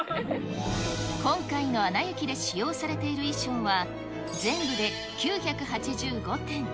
今回のアナ雪で使用されている衣装は、全部で９８５点。